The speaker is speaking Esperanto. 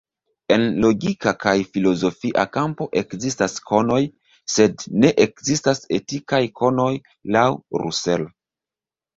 En logika kaj filozofia kampo ekzistas konoj, sed ne ekzistas etikaj konoj laŭ Russell.